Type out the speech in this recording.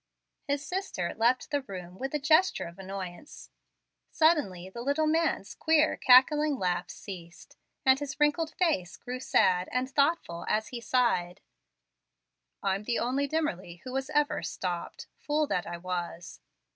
His sister left the room with a gesture of annoyance. Suddenly the little man's queer, cackling laugh ceased, and his wrinkled face grew sad and thoughtful as he sighed: "I'm the only Dimmerly who was ever 'stopped,' fool that I was.